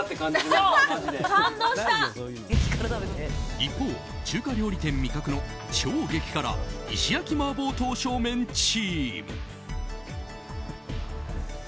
一方、中華料理店味覚の超激辛石焼麻婆刀削麺チーム。